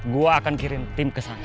gue akan kirim tim kesana